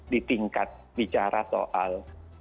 di tingkat bicara soal